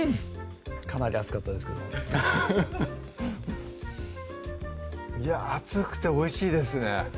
かなり熱かったですけどフフフいや熱くておいしいですね